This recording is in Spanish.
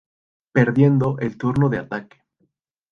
Perdiendo el turno de ataque.